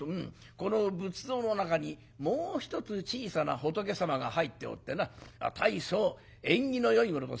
「この仏像の中にもう一つ小さな仏様が入っておってな大層縁起のよいものとされておるんだ。